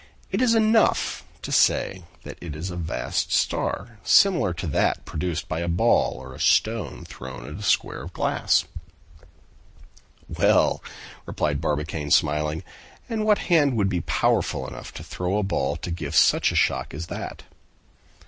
"It is enough to say that it is a vast star, similar to that produced by a ball or a stone thrown at a square of glass!" "Well!" replied Barbicane, smiling. "And what hand would be powerful enough to throw a ball to give such a shock as that?"